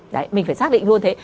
đấy mình phải xác định luôn thế